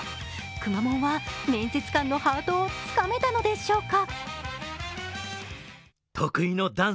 くまモンは面接官のハートをつかめたのでしょうか。